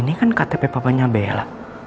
ini kan ktp papanya bella